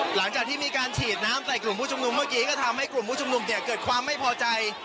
หลังจากที่มีการฉีดน้ำใส่กลุ่มผู้ชุมนุมเมื่อกี้ก็ทำให้กลุ่มผู้ชุมนุมเนี่ยเกิดความไม่พอใจ